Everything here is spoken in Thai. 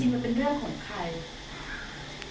มันเป็นเรื่องของใคร